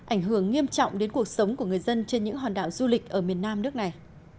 ảnh hưởng nghiêm trọng đến cuộc sống của người dân trên những hòn đảo du lịch ở miền nam nước này